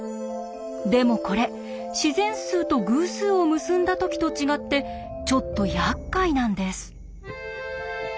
でもこれ自然数と偶数を結んだ時と違ってちょっとやっかいなんです。